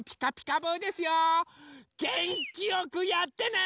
げんきよくやってね！